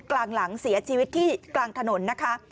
กลางหลังเสียชีวิตที่กลางถนนนะคะ